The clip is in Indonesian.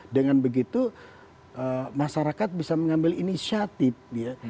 dengan begitu masyarakat bisa mengambil inisiatif ya